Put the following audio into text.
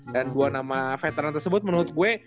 dan dua nama veteran tersebut menurut gue